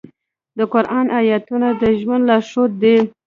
د قرآن آیاتونه د ژوند لارښود دي.